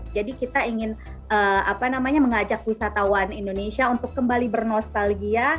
jadi kita ingin mengajak wisatawan indonesia untuk kembali bernostalgia